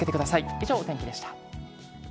以上、お天気でした。